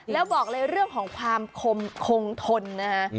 แล้วบอกเลยเรื่องของความคงทนนะฮะ